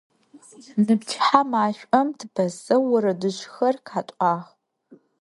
Ныпчыхьэ машӀом тыпэсэу орэдыжъхэр къэтӀуагъ.